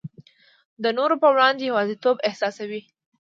د نورو په وړاندي یوازیتوب احساسوو.